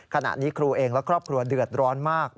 ขณะนี้ครูเองและครอบครัวเดือดร้อนมาก